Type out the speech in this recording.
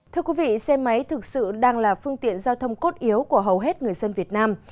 thưa quý vị xe máy thực sự đang là phương tiện giao thông cốt yếu của hầu hết người dân việt nam